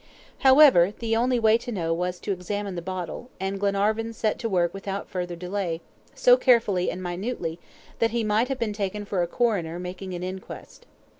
However, the only way to know was to examine the bottle, and Glenarvan set to work without further delay, so carefully and minutely, that he might have been taken for a coroner making an inquest.